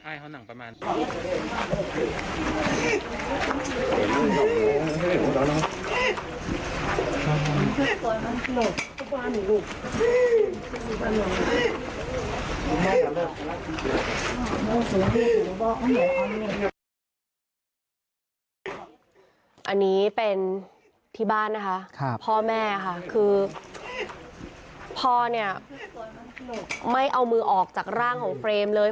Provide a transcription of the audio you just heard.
อันนี้เป็นที่บ้านนะคะพ่อแม่ค่ะคือพ่อเนี่ยไม่เอามือออกจากร่างของเฟรมเลย